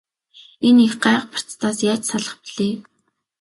Энэ их гай барцдаас яаж салах билээ?